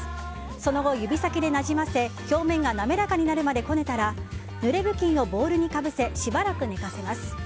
その後、指先でなじませ表面が滑らかになるまでこねたらぬれぶきんをボウルにかぶせしばらく寝かせます。